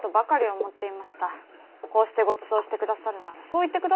こうしてごちそうしてくださるならそう言ってくださればよろしいのに。